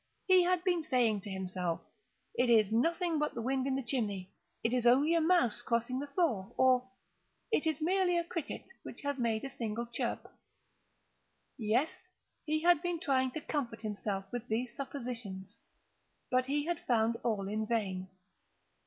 He had been saying to himself—"It is nothing but the wind in the chimney—it is only a mouse crossing the floor," or "It is merely a cricket which has made a single chirp." Yes, he had been trying to comfort himself with these suppositions: but he had found all in vain.